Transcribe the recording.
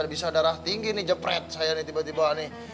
bisa darah tinggi nih jepret saya nih tiba tiba nih